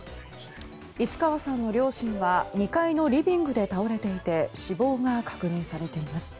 市川さんの両親は２階のリビングで倒れていて死亡が確認されています。